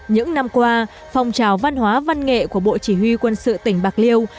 những năm qua phong trào văn hóa văn nghệ của bộ chỉ huy quân sự tỉnh bạc liêu